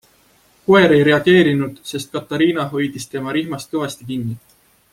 Koer ei reageerinud, sest Katariina hoidis tema rihmast kõvasti kinni.